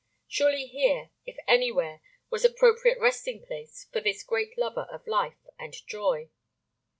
Surely here, if anywhere, was appropriate resting place for this great lover of life and joy.